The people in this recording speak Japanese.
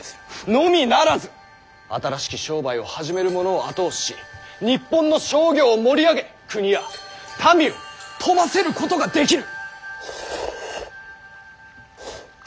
のみならず新しき商売を始める者を後押しし日本の商業を盛り上げ国や民を富ませることができる！